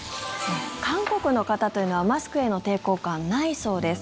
韓国の方というのはマスクへの抵抗感ないそうです。